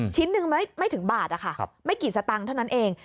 ชิ้นหนึ่งไม่ถึงบาทนะคะไม่กี่สตางค์เท่านั้นเอง